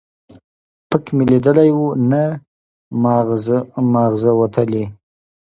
ـ پک مې ليدلى وو، نه معاغزه وتلى.